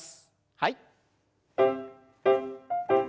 はい。